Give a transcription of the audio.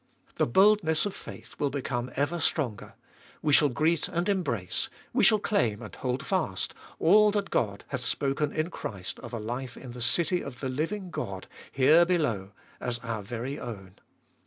The boldness of faith will become ever stronger — we shall greet and embrace, we shall claim and hold fast, all that God hath spoken in Christ of a life in the city of the living God here below as our very own.